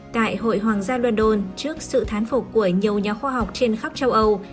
tại hội hoàng gia london trước sự thán phục của nhiều nhà khoa học trên khắp châu âu